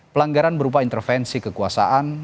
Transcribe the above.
pelanggaran berupa intervensi kekuasaan